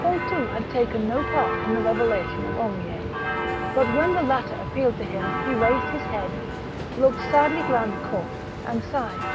Pontou had taken no part in the revelation of Henriet ; but when the latter appealed to him he raised his head, looked sadly round the court, and sighed.